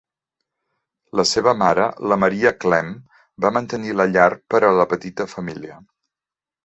La seva mare, la Maria Clemm, va mantenir la llar per a la petita família.